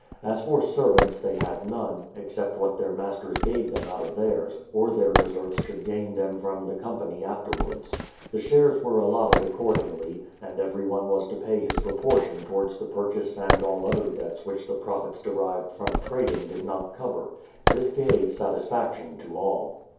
As for ser\^ants, they had none, except what their masters gave them out of theirs, or their deserts should gain them from the company afterwards. The shares were allotted accordingly, and everyone was to pay his propor tion towards the purchase and all other debts which the profits derived from trading did not cover. This gave satisfaction to all.